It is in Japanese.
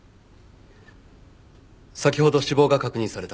先ほど死亡が確認された。